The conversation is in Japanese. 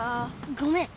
ごめん。